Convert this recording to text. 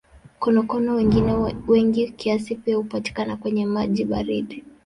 Konokono wengine wengi kiasi pia hupatikana kwenye maji baridi.